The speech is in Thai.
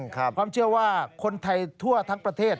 ความเชื่อว่าคนไทยทั่วทั้งประเทศ